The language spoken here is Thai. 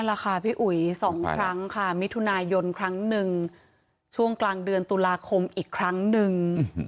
แหละค่ะพี่อุ๋ย๒ครั้งค่ะมิถุนายนครั้งหนึ่งช่วงกลางเดือนตุลาคมอีกครั้งหนึ่ง